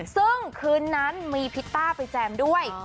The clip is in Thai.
ซึ่งคืนนั้นมีพิตต้าไปแจมด้วย